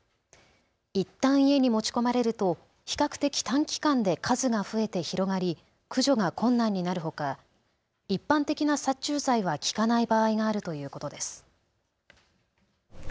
いったん家に持ち込まれると比較的短期間で数が増えて広がり駆除が困難になるほか一般的な殺虫剤は効かない場合があるということです。